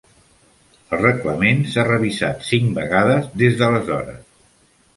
El reglament s'ha revisat cinc vegades des d'aleshores.